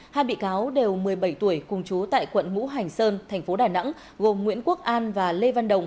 hai bị cáo đều một mươi bảy tuổi cùng chú tại quận mũ hành sơn tp đà nẵng gồm nguyễn quốc an và lê văn đồng